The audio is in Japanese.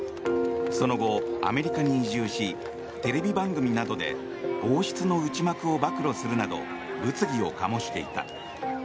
その後、アメリカに移住しテレビ番組などで王室の内幕を暴露するなど物議を醸していた。